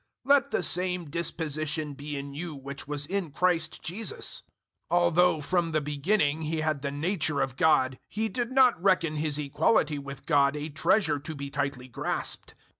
002:005 Let the same disposition be in you which was in Christ Jesus. 002:006 Although from the beginning He had the nature of God He did not reckon His equality with God a treasure to be tightly grasped.